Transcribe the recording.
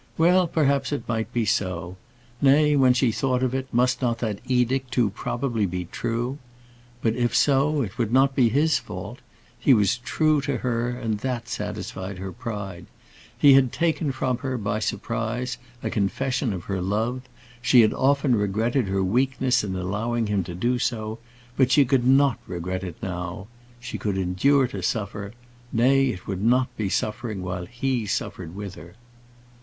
Well, perhaps it might be so; nay, when she thought of it, must not that edict too probably be true? But if so, it would not be his fault. He was true to her, and that satisfied her pride. He had taken from her, by surprise, a confession of her love. She had often regretted her weakness in allowing him to do so; but she could not regret it now. She could endure to suffer; nay, it would not be suffering while he suffered with her.